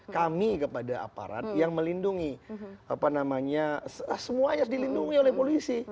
kami kepada aparat yang melindungi apa namanya semuanya dilindungi oleh polisi